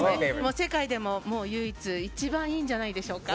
世界でも唯一一番いいんじゃないでしょうか。